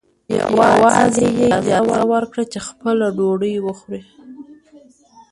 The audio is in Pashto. یوازې یې اجازه ورکړه چې خپله ډوډۍ وخوري.